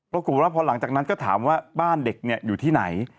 ปรากฏว่าพอหลังจากนั้นก็ถามว่าบ้านเด็กอยู่ที่ไหน